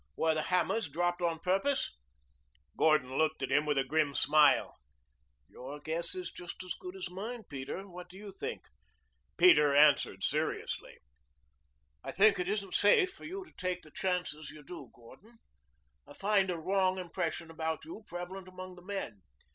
"Were the hammers dropped on purpose?" Gordon looked at him with a grim smile. "Your guess is just as good as mine, Peter. What do you think?" Peter answered seriously. "I think it isn't safe for you to take the chances you do, Gordon. I find a wrong impression about you prevalent among the men.